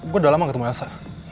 gue udah lama ketemu elsa